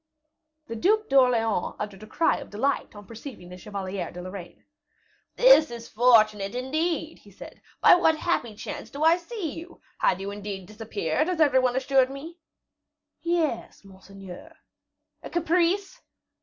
The Duc d'Orleans uttered a cry of delight on perceiving the Chevalier de Lorraine. "This is fortunate, indeed," he said; "by what happy chance do I see you? Had you indeed disappeared, as every one assured me?" "Yes, monseigneur." "A caprice?"